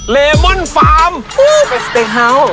เรมอนฟาร์มปุ๊บเป็นสเต็กเฮาส์